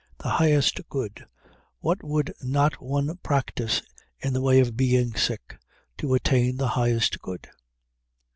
The highest good what would not one practise in the way of being sick to attain the highest good?